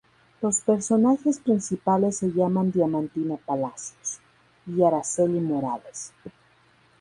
Los personajes principales se llaman "Diamantina Palacios" y "Araceli Morales".